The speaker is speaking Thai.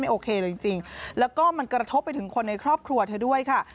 โอเคเลยจริงแล้วก็มันกระทบไปถึงคนในครอบครัวเธอด้วยค่ะ